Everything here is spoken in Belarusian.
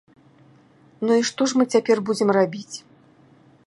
Ну, і што ж мы цяпер будзем рабіць?